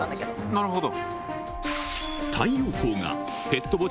なるほど。